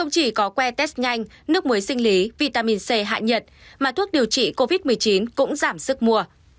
cái test nhanh nước muối sinh lý vitamin c hạ nhật mà thuốc điều trị covid một mươi chín cũng giảm sức mua